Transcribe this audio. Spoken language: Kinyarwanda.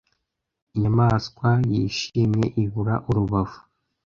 Inyamaswa yishimye ibura Urubavu